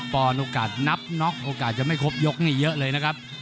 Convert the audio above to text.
๑๓๐๑๔๐ปอนด์โอกาสนับน็อกโอกาสจะไม่ครบยกนี่เยอะเลยนะครับ